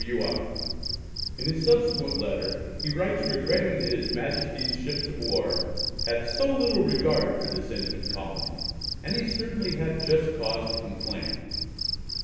W. R. In a subsequent letter he writes regretting that his Majesty's ships of war have "so little regard for this infant colony," and he certainly had just cause to complain.